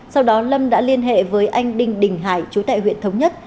sau đó lâm đã liên hệ với anh đinh đình hải chú tại huyện thống nhất